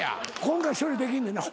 今回処理できんねんな？